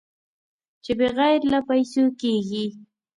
چې بغیر له پېسو کېږي.